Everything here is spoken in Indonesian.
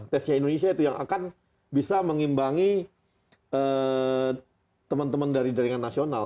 tesnya indonesia itu yang akan bisa mengimbangi teman teman dari jaringan nasional